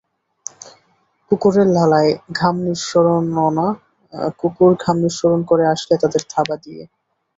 কুকুরের লালায় ঘাম নিঃসরণনা, কুকুর ঘাম নিঃসরণ করে আসলে তাদের থাবা দিয়ে।